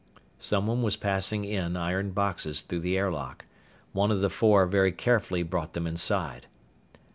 Someone was passing in iron boxes through the airlock. One of the four very carefully brought them inside.